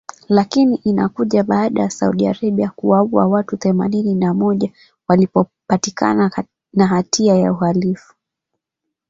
Lakini inakuja baada ya Saudi Arabia kuwaua watu themanini na moja waliopatikana na hatia ya uhalifu